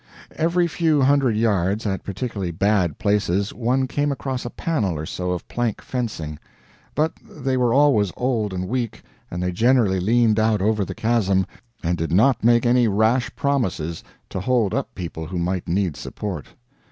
Every few hundred yards, at particularly bad places, one came across a panel or so of plank fencing; but they were always old and weak, and they generally leaned out over the chasm and did not make any rash promises to hold up people who might need support.